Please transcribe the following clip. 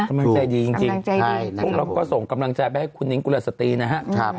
กำลังใจดีจริงพวกเราก็ส่งกำลังใจไปให้คุณนิ้งกุลสตรีนะครับ